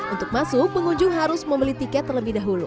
untuk masuk pengunjung harus membeli tiket terlebih dahulu